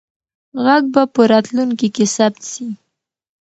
غږ به په راتلونکي کې ثبت سي.